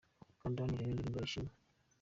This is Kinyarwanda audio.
Kanda hano urebe indirimbo ye "Ishimwe"